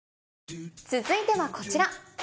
続いてはこちら。